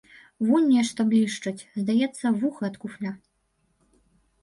Вунь нешта блішчыць, здаецца, вуха ад куфля.